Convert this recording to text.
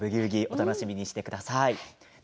お楽しみにしてください。